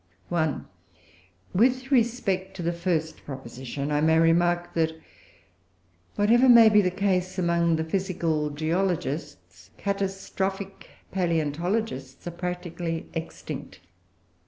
1. With respect to the first proposition, I may remark that whatever may be the case among the physical geologists, catastrophic palaeontologists are practically extinct.